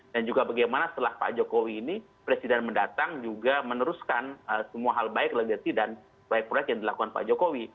dan juga bagaimana setelah pak jokowi ini presiden mendatang juga meneruskan semua hal baik legasi dan baik proyek yang dilakukan pak jokowi